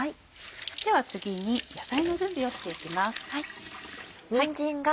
では次に野菜の準備をしていきます。